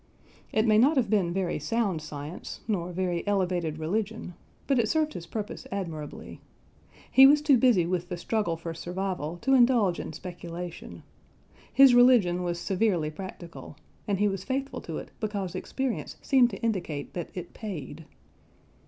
It may not have been very sound science, nor very elevated religion, but it served his purpose admirably. He was too busy with the struggle for survival to indulge in speculation. His religion was severely practical, and he was faithful to it because experience seemed to indicate that it paid.